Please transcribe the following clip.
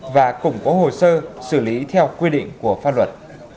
và cũng có hồ sơ xử lý theo quy định của pháp luật